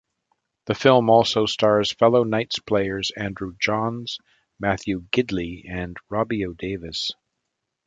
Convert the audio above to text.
The film also starred fellow Knights players Andrew Johns, Matthew Gidley and Robbie O'Davis.